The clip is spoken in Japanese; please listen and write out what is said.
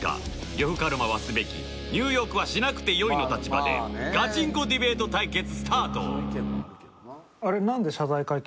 呂布カルマは「すべき」ニューヨークは「しなくてよい」の立場でガチンコディベート対決スタート！